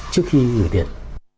trước khi gửi tiền